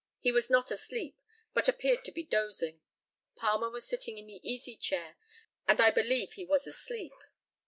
He was not asleep, but appeared to be dozing. Palmer was sitting in the easy chair, and I believe he was asleep.